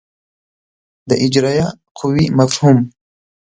د اجرایه قوې مفهوم